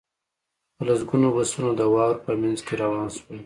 په لسګونه بسونه د واورو په منځ کې روان شول